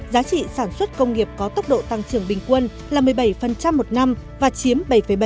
giá trị sản xuất công nghiệp có tốc độ tăng trưởng bình quân là một mươi bảy một năm và chiếm bảy bảy